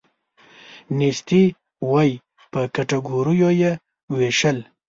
نیستي وی په کټګوریو یې ویشل.